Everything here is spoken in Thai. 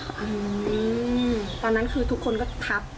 ตอนนั้นคือทุกคนก็ทับ